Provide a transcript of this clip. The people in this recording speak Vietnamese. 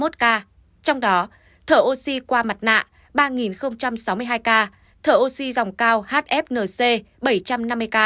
trong đó thở oxy qua mặt nạ ba sáu mươi hai ca thở oxy dòng cao hfnc bảy trăm năm mươi ca